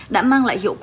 đã mang lại hiệu quả cao